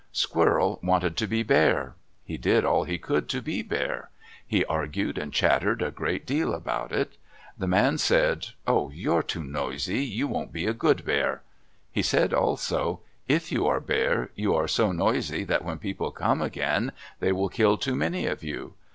Squirrel wanted to be Bear. He did all he could to be Bear. He argued and chattered a great deal about it. The man said, "Oh, you're too noisy. You wouldn't be a good Bear." He said also, "If you are Bear, you are so noisy that when people come again, they will kill too many of you.